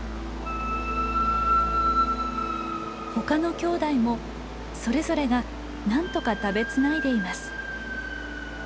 他のきょうだいもそれぞれがなんとか食べつないでいます。